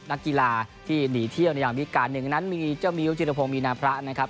นักกีฬาที่หนีเที่ยวในยามวิการหนึ่งนั้นมีเจ้ามิ้วจิรพงศ์มีนาพระนะครับ